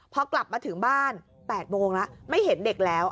พอกลับมาถึงบ้าน๘โมงแล้วไม่เห็นเด็กแล้ว